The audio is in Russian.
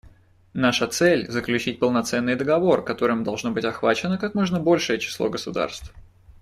Наша цель — заключить полноценный договор, которым должно быть охвачено как можно большее число государств.